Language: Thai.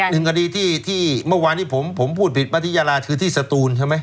หนึ่งคดีที่เมื่อวานที่ผมพูดผิดพัทยาราคือที่สตูนใช่ไหม